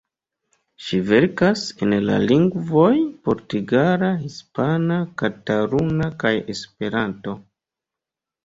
Ŝi verkas en la lingvoj portugala, hispana, kataluna kaj Esperanto.